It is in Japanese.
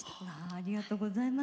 ありがとうございます。